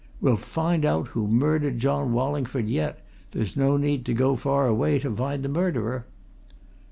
We'll find out who murdered John Wallingford yet there's no need to go far away to find the murderer!"